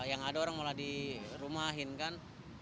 yang ada orang malah dirumahin kan